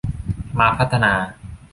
มาพัฒนา